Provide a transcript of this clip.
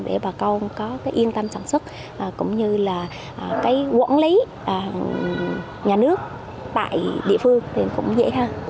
để bà công có cái yên tâm sản xuất cũng như là cái quản lý nhà nước tại địa phương thì cũng vậy ha